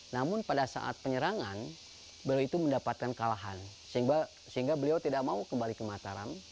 namun pada saat penyerangan beliau itu mendapatkan kalahan sehingga beliau tidak mau kembali ke mataram